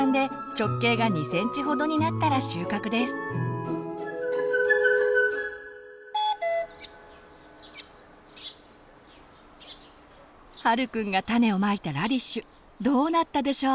赤く膨らんで陽くんが種をまいたラディッシュどうなったでしょう？